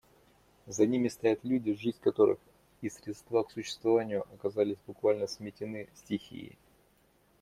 За ними стоят люди, жизнь которых и средства к существованию оказались буквально сметены стихией.